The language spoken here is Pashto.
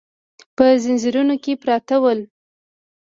په ځنځیرونو کې پراته ول.